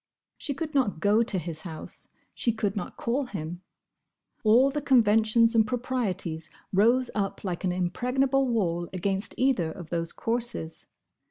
She could not go to his house. She could not call him. All the conventions and proprieties rose up like an impregnable wall against either of those courses.